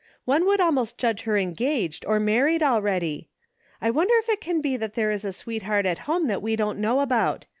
One would almost judge her engaged or married already. I wonder if it can be there is a sweet heart at home that we don't know about.